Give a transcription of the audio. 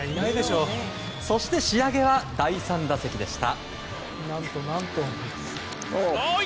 そして、仕上げは第３打席でした。